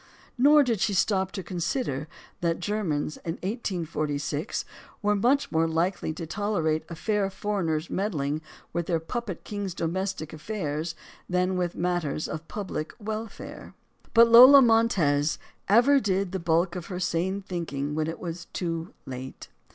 Nor did she stop to consider that Ger mans in 1846 were much more likely to tolerate a 14 STORIES OF THE SUPER WOMEN fair foreigner's meddling with their puppet king's do mestic affairs than with matters of public welfare. But Lola Montez ever did the bulk of her sane thinking when it was too late.